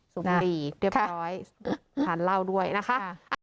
สูบบุรีเรียบร้อยทานเหล้าด้วยนะคะ